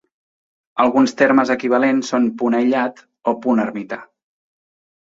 Alguns termes equivalents són "punt aïllat" o "punt ermità".